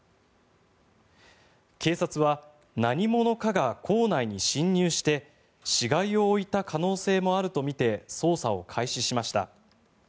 警察は、何者かが校内に侵入して死骸を置いた可能性もあるとみて捜査を開始しました。